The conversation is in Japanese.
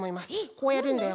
こうやるんだよ。